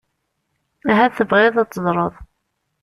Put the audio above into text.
Ahat tebɣiḍ ad teẓreḍ.